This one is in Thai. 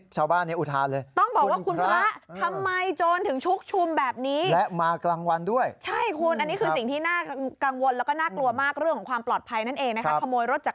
ซอยคุณพระ